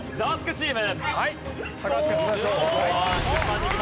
チーム。